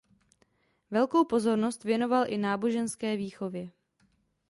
Velkou pozornost věnoval i náboženské výchově.